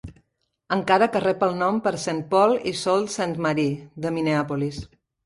Encara que rep el nom per Saint Paul i Sault Ste. Marie, de Minneapolis.